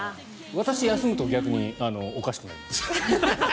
私、休むと逆におかしくなります。